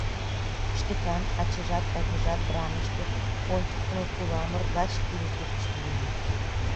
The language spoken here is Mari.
Шкетанын «Ачийжат-авийжат» драмыште ончыктымо пуламыр лач тиде суртышто лийын.